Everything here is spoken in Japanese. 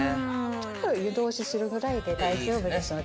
ちょっと湯通しするぐらいで大丈夫ですので。